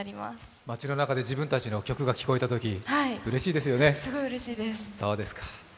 街の中で自分たちの曲が聴こえたとき、すごいうれしいです。